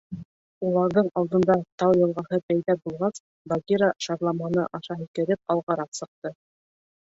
Уларҙың алдында тау йылғаһы пәйҙә булғас, Багира шарламаны аша һикереп алғараҡ сыҡты.